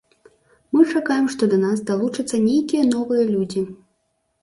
Мы чакаем, што да нас далучацца нейкія новыя людзі.